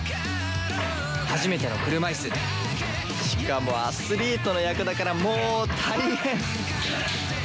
初めての車いすしかもアスリートの役だからもう大変！